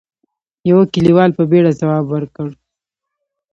يوه کليوال په بيړه ځواب ورکړ: